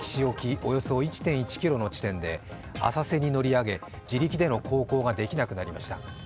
およそ１．１ｋｍの地点で浅瀬に乗り上げ、自力での航行ができなくなりました。